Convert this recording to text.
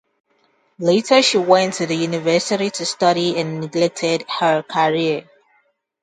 Later she went to the University to study and neglected her career.